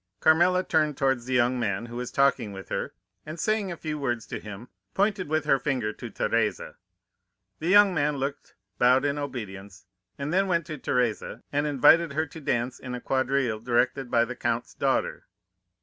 "Carmela turned towards the young man who was talking with her, and saying a few words to him, pointed with her finger to Teresa. The young man looked, bowed in obedience, and then went to Teresa, and invited her to dance in a quadrille directed by the count's daughter.